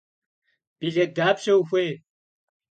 Bilêt dapşe vuxuêy?